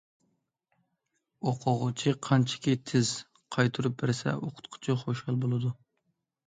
ئوقۇغۇچى قانچىكى تېز« قايتۇرۇپ» بەرسە، ئوقۇتقۇچى خۇشال بولىدۇ.